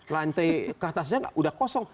lantai keatasnya udah kosong